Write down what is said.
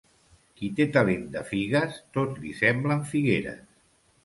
Qui té talent de figues, tot li semblen figueres.